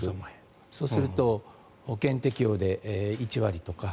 そうすると保険適用で１割とか。